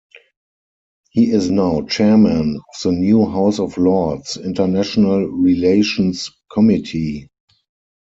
He is now Chairman of the new House of Lords International relations Committee'.